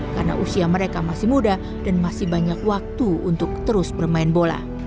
karena usia mereka masih muda dan masih banyak waktu untuk terus bermain bola